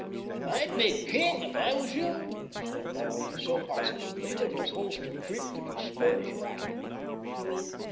"I'd be king if I was you," said Baldy, so positively that his holster creaked and his spurs rattled.